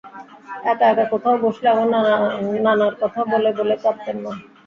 একা একা কোথাও বসলে আমার নানার কথা বলে বলে কাঁদতেন মা।